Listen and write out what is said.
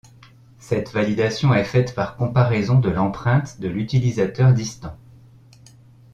Cette validation est faite par comparaison de l'empreinte de l'utilisateur distant.